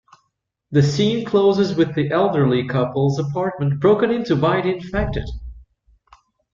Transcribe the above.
The scene closes with the elderly couple's apartment broken into by the infected.